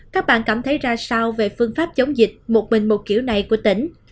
các bạn cảm thấy ra sao về phương pháp chống dịch một mình một kiểu này của tỉnh